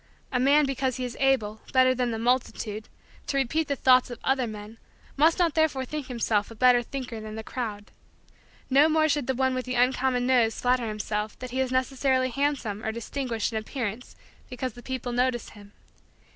A man because he is able, better than the multitude, to repeat the thoughts of other men must not therefore think himself a better thinker than the crowd. No more should the one with the uncommon nose flatter himself that he is necessarily handsome or distinguished in appearance because the people notice him.